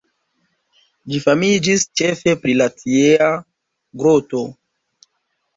Ĝi famiĝis ĉefe pri la tiea groto.